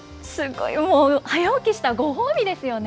早起きした、ご褒美ですよね。